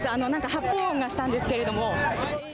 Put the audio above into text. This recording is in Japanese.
発砲音がしたんですけれども。